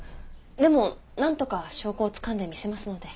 でも何とか証拠をつかんでみせますので。